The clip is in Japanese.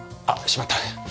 あっしまった！